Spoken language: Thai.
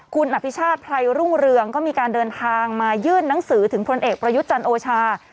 คุณอภิชาติไพรรุ่งเรืองก็มีการเดินทางมายื่นหนังสือถึงพลเอกประยุทธ์จันทร์โอชา